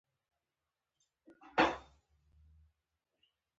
ښه، نو داسې ده